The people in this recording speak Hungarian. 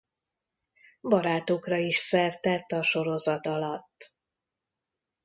Barátokra is szert tett a sorozat alatt.